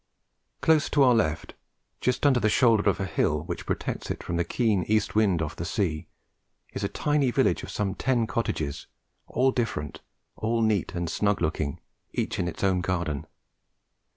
Close to our left, just under the shoulder of a hill which protects it from the keen east wind off the sea, is a tiny village of some ten cottages, all different, all neat and snug looking, each in its own garden.